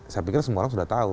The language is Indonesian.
saya pikir semua orang sudah tahu